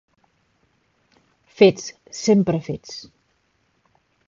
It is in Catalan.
Fets, sempre fets